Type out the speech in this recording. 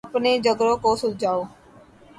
اپنے جھگڑوں کو سلجھاؤ۔